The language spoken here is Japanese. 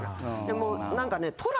もうなんかね。